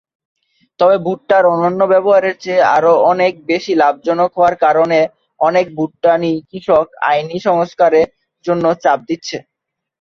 তবে ভুট্টার অন্যান্য ব্যবহারের চেয়ে আরা অনেক বেশি লাভজনক হওয়ার কারণে অনেক ভুটানি কৃষক আইনি সংস্কারের জন্য চাপ দিচ্ছে।